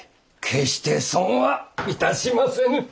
決して損は致しませぬ。